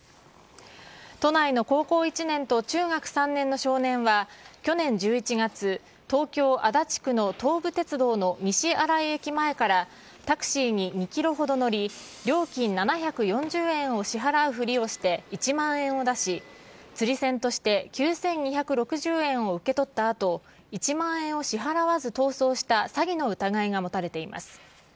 都内の高校１年と中学３年の少年は、去年１１月、東京・足立区の東武鉄道の西新井駅前から、タクシーに２キロほど乗り、料金７４０円を支払うふりをして１万円を出し、釣り銭として９２６０円を受け取ったあと、１万円を支払わず逃走した詐欺の疑いが持たれています。